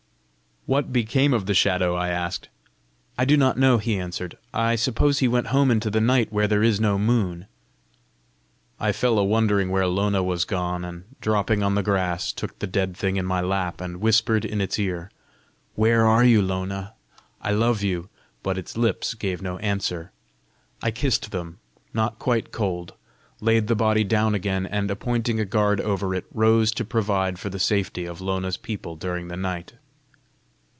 "What became of the shadow?" I asked. "I do not know," he answered. "I suppose he went home into the night where there is no moon." I fell a wondering where Lona was gone, and dropping on the grass, took the dead thing in my lap, and whispered in its ear, "Where are you, Lona? I love you!" But its lips gave no answer. I kissed them, not quite cold, laid the body down again, and appointing a guard over it, rose to provide for the safety of Lona's people during the night.